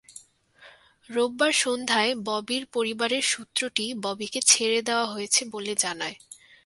রোববার সন্ধ্যায় ববির পরিবারের সূত্রটি ববিকে ছেড়ে দেওয়া হয়েছে বলে জানায়।